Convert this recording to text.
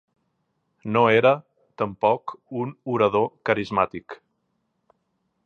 No era, tampoc, un orador carismàtic.